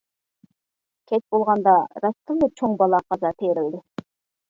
كەچ بولغاندا راستتىنلا چوڭ بالا-قازا تېرىلدى.